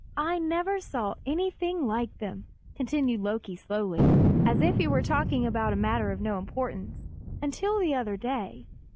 "I never saw anything like them," continued Loki slowly, as if he were talking about a matter of no importance, "until the other day."